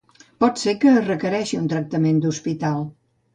Pot ser que es requereixi un tractament d'hospital.